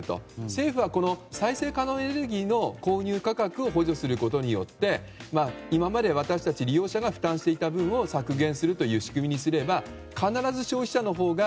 政府は再生可能エネルギーの購入価格を補助することによって今まで私たち利用者が負担していた分を削減するという仕組みにすれば必ず消費者のほうが